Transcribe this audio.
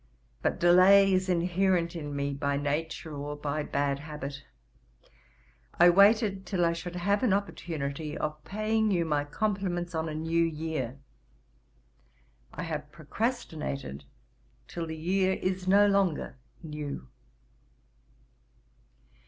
But delay is inherent in me, by nature or by bad habit. I waited till I should have an opportunity of paying you my compliments on a new year. I have procrastinated till the year is no longer new.